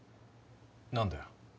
何だよ？